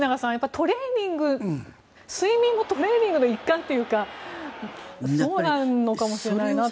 トレーニング睡眠もトレーニングの一環というかそうなのかもしれないなと。